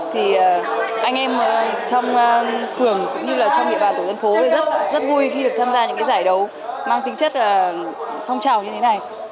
thì anh em trong phường cũng như là trong địa bàn tổ dân phố rất vui khi được tham gia những cái giải đấu mang tính chất phong trào như thế này